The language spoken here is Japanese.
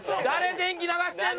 電気流してるの。